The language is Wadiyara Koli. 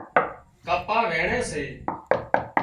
ڪپا وينڻي سي